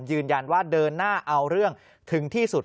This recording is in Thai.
ยืนยันว่าเดินหน้าเอาเรื่องถึงที่สุด